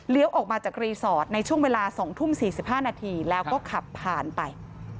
ออกมาจากรีสอร์ทในช่วงเวลา๒ทุ่ม๔๕นาทีแล้วก็ขับผ่านไป